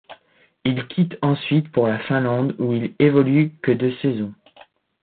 Il quitte ensuite pour la Finlande où il évolue que deux saisons.